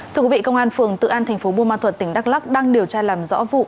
thưa quý vị công an phường tự an tp bùa ma thuật tỉnh đắk lắc đang điều tra làm rõ vụ